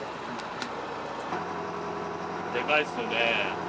でかいっすよね。